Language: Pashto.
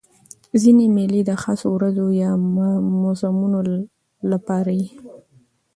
ځیني مېلې د خاصو ورځو یا موسمونو له پاره يي.